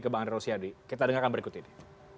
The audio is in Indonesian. ke bang andre rosiade kita dengarkan berikut ini